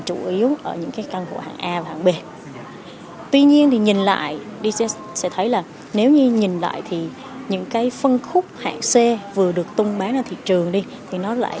trong quý ii có hơn ba trăm linh giao dịch